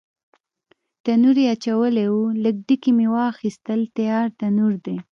تنور یې اچولی و، لږ ډکي مې واخیستل، تیار تنور دی.